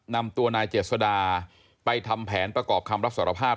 นำตัวนายเจษดาไปทำแผนประกอบคำรับสารภาพ